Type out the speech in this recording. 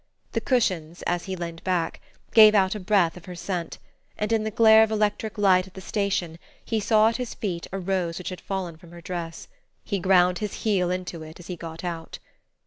The cushions, as he leaned back, gave out a breath of her scent; and in the glare of electric light at the station he saw at his feet a rose which had fallen from her dress. He ground his heel into it as he got out.